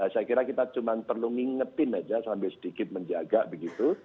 saya kira kita cuma perlu ngingetin aja sambil sedikit menjaga begitu